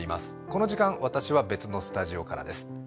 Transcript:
この時間、私は別のスタジオからです。